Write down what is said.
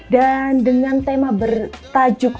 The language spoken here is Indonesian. dan dengan tema bertajuk